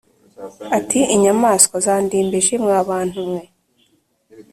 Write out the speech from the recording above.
ati: “inyamaswa zandembeje mwabantu mwe